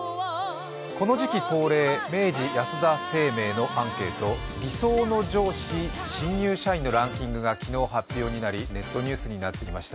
この時期恒例、明治安田生命のアンケート、理想の上司新入社員のランキングが昨日発表になりネットニュースになっていました。